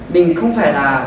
mình không phải là